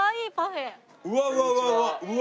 うわ。